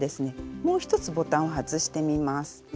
もう一つボタンを外してみます。